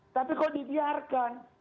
tapi kok diliarkan